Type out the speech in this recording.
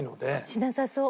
しなさそう。